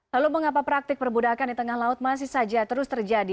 lalu mengapa praktik perbudakan di tengah laut masih saja terus terjadi